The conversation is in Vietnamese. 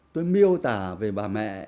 tôi miêu tả về bà mẹ